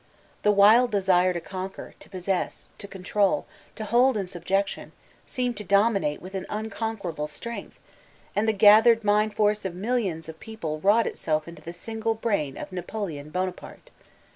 The wild desire to conquer, to possess, to control, to hold in subjection, seemed to dominate with an unconquerable strength, and the gathered mind force of millions of people wroqght it self into the single brain of Napoleon Bonaparte.